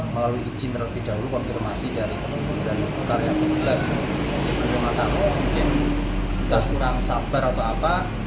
melalui izin terlebih dahulu konfirmasi dari dari bukannya ke tujuh belas kita kurang sabar apa apa